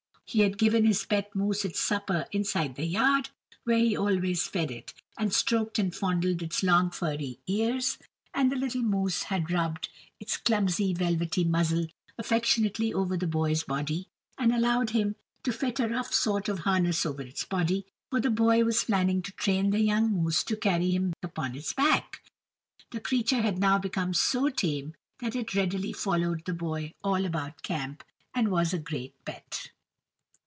He had given his pet moose its supper inside the yard, where he always fed it, had stroked and fondled its long furry ears, and the little moose had rubbed its clumsy, velvety muzzle affectionately over the boy's body, and allowed him to fit a rough sort of harness over its body; for the boy was planning to train the young moose to carry him upon its back. The creature had now become so tame that it readily followed the boy all about camp, and was a great pet.